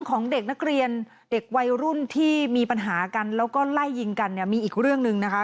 ของเด็กนักเรียนเด็กวัยรุ่นที่มีปัญหากันแล้วก็ไล่ยิงกันเนี่ยมีอีกเรื่องหนึ่งนะคะ